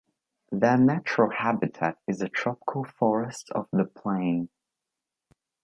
Their natural habitat is the tropical forests of the plain.